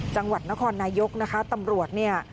จังหวัดนครนายกนะคะตำรวจเนี่ย